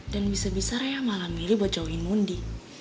dan bisa bisa raya malah milih buat jauhin mundi